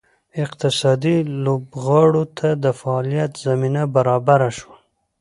اقتصادي لوبغاړو ته د فعالیت زمینه برابره شوه.